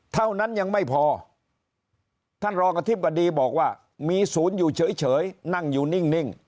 เท่านั้นยังไม่พอท่านรองอธิบดีบอกว่ามีศูนย์อยู่เฉยนั่งอยู่นิ่ง